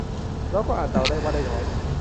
เราก็อาจเดาได้ว่าได้น้อย